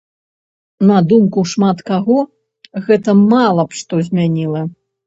На думку шмат каго, гэта мала б што змяніла.